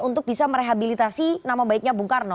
untuk bisa merehabilitasi nama baiknya bung karno